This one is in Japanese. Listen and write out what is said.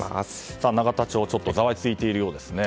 永田町、ちょっとざわついているようですね。